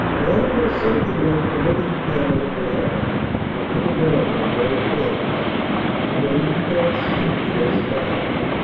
Animals something like the living camel and llama were in America in those days, strange though it seems to us now.